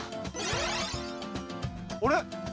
あれ？